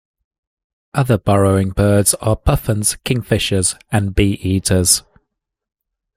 Other burrowing birds are puffins, kingfishers, and bee-eaters.